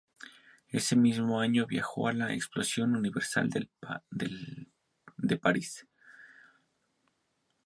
Ese mismo año, viajó a la Exposición Universal de París.